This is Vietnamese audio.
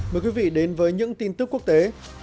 mời quý vị đến với những tin tức quốc tế